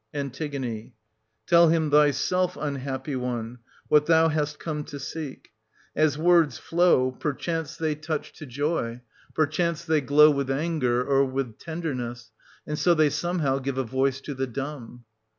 1280 An. Tell him thyself, unhappy one, what thou hast come to seek. As words flow, perchance they touch to 1282— i3i6] OEDIPUS AT COLONUS. 107 joy, perchance they glow with anger, or with tenderness, and so they somehow give a voice to the dumb.